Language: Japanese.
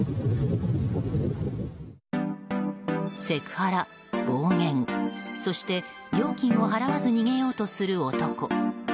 セクハラ、暴言、そして料金を払わず逃げようとする男。